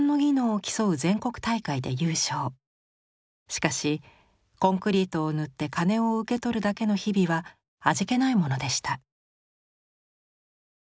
しかしコンクリートを塗って金を受け取るだけの日々は味気ないものでした。